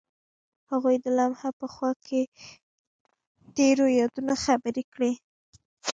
هغوی د لمحه په خوا کې تیرو یادونو خبرې کړې.